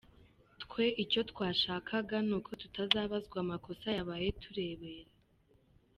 Twe icyo twashakaga ni uko tutazabazwa amakosa yabaye tureberera.